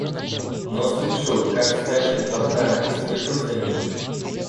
Но слышу, как скачет блоха, и слежу за ней.